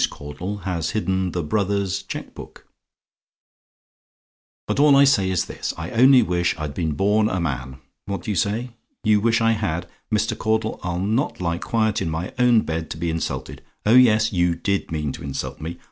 CAUDLE HAS HIDDEN THE "BROTHER'S" CHEQUE BOOK "But all I say is this: I only wish I'd been born a man. What do you say? "YOU WISH I HAD? "Mr. Caudle, I'll not lie quiet in my own bed to be insulted. Oh, yes, you DID mean to insult me.